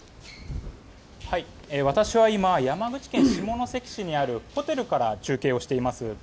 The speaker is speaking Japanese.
私は今山口県下関市にあるホテルから中継をしています。